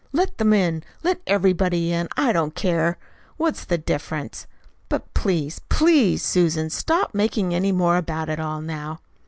"Let them in. Let everybody in. I don't care. What's the difference? But, please, PLEASE, Susan, stop talking any more about it all now."